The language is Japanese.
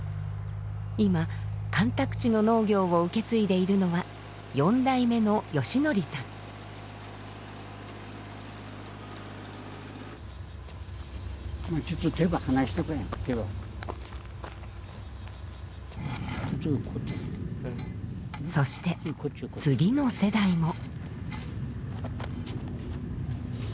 今干拓地の農業を受け継いでいるのは４代目のそして次の世代も。